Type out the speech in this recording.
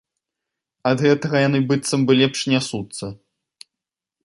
Ад гэтага яны быццам бы лепш нясуцца.